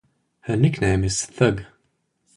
Her nickname is "Thug".